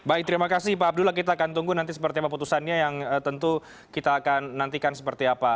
baik terima kasih pak abdullah kita akan tunggu nanti seperti apa putusannya yang tentu kita akan nantikan seperti apa